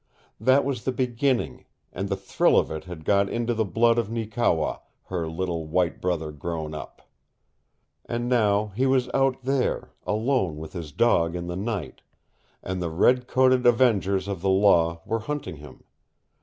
That was the beginning, and the thrill of it had got into the blood of Neekewa, her "little white brother grown up." And now he was out there, alone with his dog in the night and the red coated avengers of the law were hunting him.